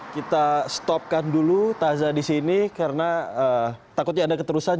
kita stopkan dulu taza di sini karena takutnya ada keterusan